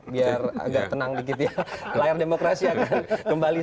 biar agak tenang dikit ya layar demokrasi akan kembali